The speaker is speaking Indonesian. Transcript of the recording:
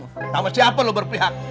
ketama siapa lo berpihak